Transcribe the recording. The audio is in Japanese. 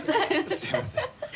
すみません。